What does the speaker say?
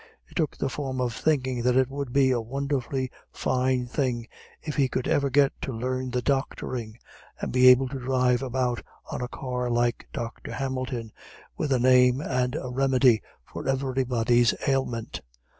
It took the form of thinking that it would be a wonderfully fine thing if he could ever get to learn the doctoring, and be able to drive about on a car like Dr. Hamilton, with a name and a remedy for everybody's ailment.